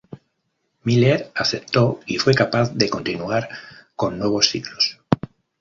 Müller aceptó y fue capaz de continuar con nuevos ciclos.